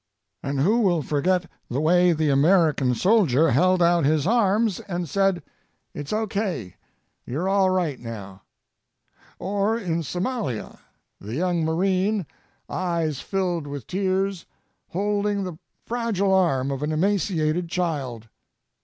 And who will forget the way the American soldier held out his arms and said, "It's okay. You're all right now." Or in Somalia, the young marine, eyes filled with tears, holding the fragile arm of an emaciated child.